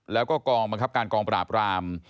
แล้วก็กองบังคับการกองปราบราม